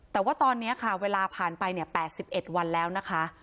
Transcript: แต่ว่าตอนเนี้ยค่ะเวลาผ่านไปเนี้ยแปดสิบเอ็ดวันแล้วนะคะ